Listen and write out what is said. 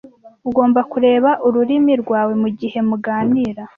Ugomba kureba ururimi rwawe mugihe muganira.